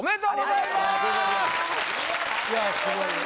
いやすごいよな。